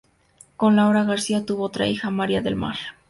Con Laura García tuvo otra hija: María del Mar.